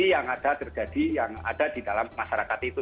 jadi yang ada terjadi yang ada di dalam masyarakat itu